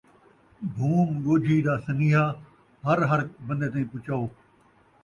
بھُوم ڳوجھی دا سنیہا ہر ہر بندے تائیں پچاؤ.